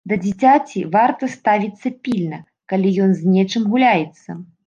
Да дзіцяці варта ставіцца пільна, калі ён з нечым гуляецца.